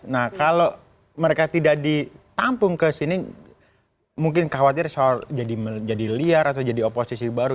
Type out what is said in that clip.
nah kalau mereka tidak ditampung ke sini mungkin khawatir jadi liar atau jadi oposisi baru